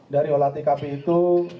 dari olah tkb itu